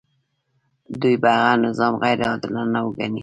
دوی به هغه نظام غیر عادلانه وګڼي.